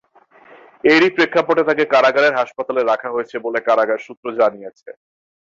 এরই প্রেক্ষাপটে তাঁকে কারাগারের হাসপাতালে রাখা হয়েছে বলে কারাগার সূত্র জানিয়েছে।